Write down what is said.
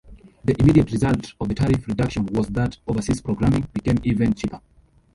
The immediate result of the tariff reduction was that overseas programming became even cheaper.